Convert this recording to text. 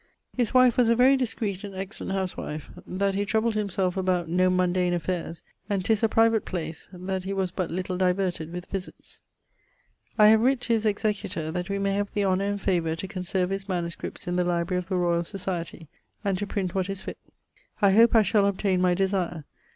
His wife was a very discreet and excellent huswife, that he troubled himselfe about no mundane affaires, and 'tis a private place, that he was but little diverted with visitts. I have writt to his executor, that we may have the honour and favour to conserve his MSS. in the Library of the Royal Societie, and to print what is fitt. I hope I shall obtaine my desire.